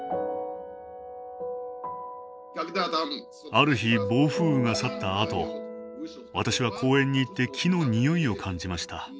ある日暴風雨が去ったあと私は公園に行って木の匂いを感じました。